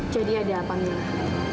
jadi ada apa minah